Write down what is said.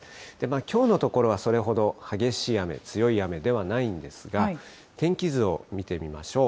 きょうのところは、それほど激しい雨、強い雨ではないんですが、天気図を見てみましょう。